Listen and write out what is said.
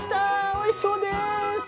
おいしそうです！